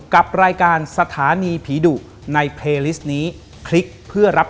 กันกันครับ